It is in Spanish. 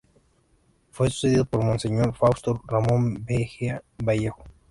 Fue sucedido por Monseñor Fausto Ramón Mejía Vallejo.